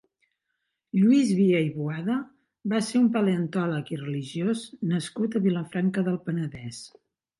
Lluís Via i Boada va ser un paleontòleg i religiós nascut a Vilafranca del Penedès.